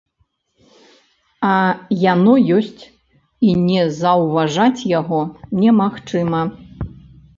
А яно ёсць, і не заўважаць яго немагчыма.